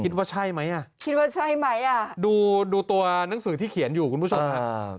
คิดว่าใช่ไหมอ่ะคิดว่าใช่ไหมอ่ะดูดูตัวหนังสือที่เขียนอยู่คุณผู้ชมฮะ